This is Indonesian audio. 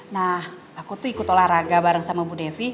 nah aku tuh ikut olahraga bareng sama bu devi